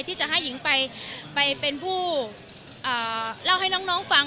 ที่จะให้หญิงไปเป็นผู้เล่าให้น้องฟัง